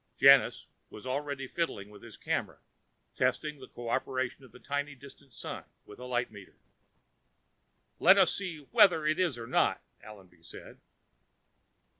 Janus was already fiddling with his camera, testing the cooperation of the tiny distant sun with a light meter. "Let us see weather it is or not," Allenby said.